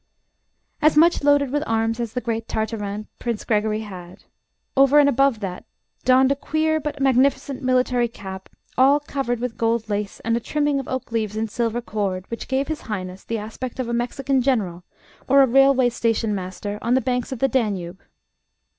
As much loaded with arms as the great Tartarin, Prince Gregory had, over and above that, donned a queer but magnificent military cap, all covered with gold lace and a trimming of oak leaves in silver cord, which gave His Highness the aspect of a Mexican general or a railway station master on the banks of the Danube.